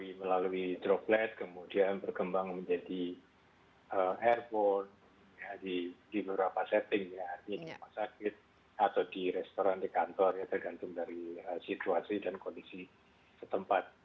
jadi ketahui melalui droplet kemudian berkembang menjadi airborne di beberapa setting ya di rumah sakit atau di restoran di kantor ya tergantung dari situasi dan kondisi setempat